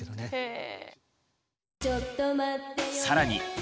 え！